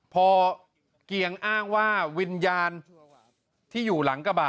พอเกียงอ้างว่าวิญญาณที่อยู่หลังกระบะ